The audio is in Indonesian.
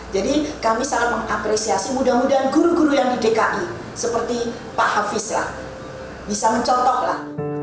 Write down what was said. jadi kami sangat mengapresiasi mudah mudahan guru guru yang di dki seperti pak hafiz lah bisa mencontok lah